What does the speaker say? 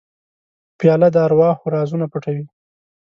پیاله د ارواحو رازونه پټوي.